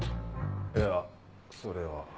いやそれは。